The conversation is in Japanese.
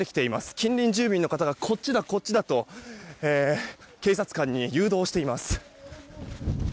近隣住民の方がこっちだ、こっちだと警察官に誘導しています。